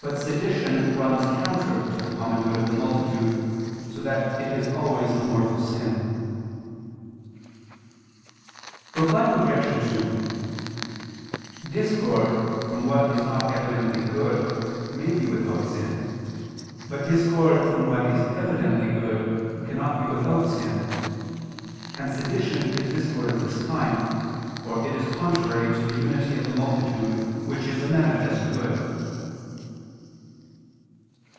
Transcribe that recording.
But sedition runs counter to the common good of the multitude, so that it is always a mortal sin. Reply Obj. 2: Discord from what is not evidently good, may be without sin, but discord from what is evidently good, cannot be without sin: and sedition is discord of this kind, for it is contrary to the unity of the multitude, which is a manifest good.